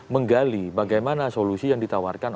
menggali bagaimana solusi yang ditawarkan